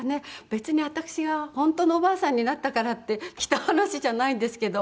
別に私が本当のおばあさんになったからって来た話じゃないですけど。